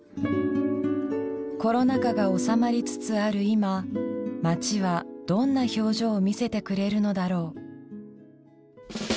コロナ禍が収まりつつある今街はどんな表情を見せてくれるのだろう。